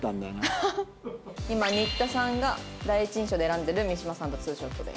今新田さんが第一印象で選んでる三島さんとツーショットです。